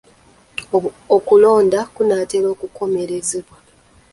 Okulonda kunaatera okukomekkerezebwa.